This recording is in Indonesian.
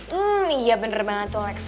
hmm iya bener banget tuh alex